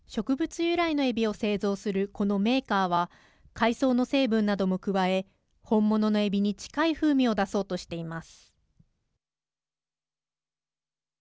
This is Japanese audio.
由来のえびを製造するこのメーカーは海藻の成分なども加え本物のえびに近い風味を出そうとしています。